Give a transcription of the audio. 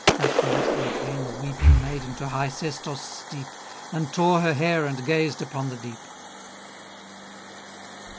That night, there came A weeping maiden to high Sestos' steep, And tore her hair and gazed upon the deep.